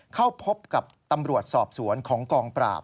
เข้าพบกับตำรวจสอบสวนของกองปราบ